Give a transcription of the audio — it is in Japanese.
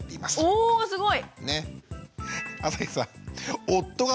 おおすごい！